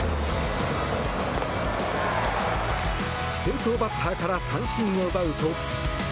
先頭バッターから三振を奪うと。